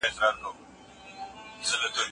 د معلولینو لپاره باید اسانتیاوې موجودې وي.